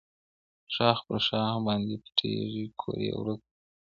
ښاخ پر ښاخ باندي پټېږي کور یې ورک دی